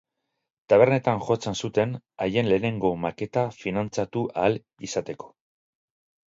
Tabernetan jotzen zuten haien lehenengo maketa finantzatu ahal izateko.